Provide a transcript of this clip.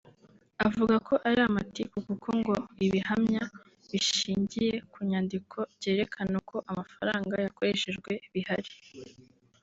avuga ko ari amatiku kuko ngo ibihamya bishingiye ku nyandiko byerekana uko amafaranga yakoreshejwe bihari